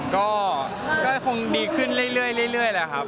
ก็คงดีขึ้นเรื่อยแหละครับ